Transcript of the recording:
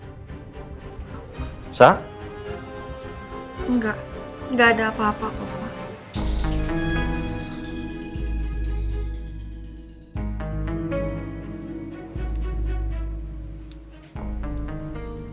enggak gak ada apa apa papa